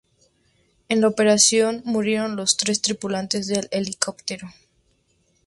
En la operación murieron los tres tripulantes del helicóptero.